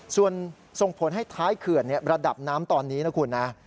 ส่วนส่งผลให้ท้ายเขื่อนระดับน้ำตอนนี้นะคุณนะ